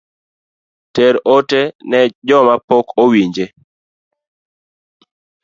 Ter ote ne jomapok owinje